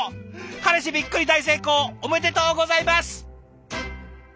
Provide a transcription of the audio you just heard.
彼氏びっくり大成功おめでとうございます！